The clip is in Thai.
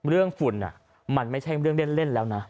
ฝุ่นมันไม่ใช่เรื่องเล่นแล้วนะ